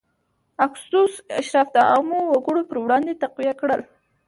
اګوستوس اشراف د عامو وګړو پر وړاندې تقویه کړل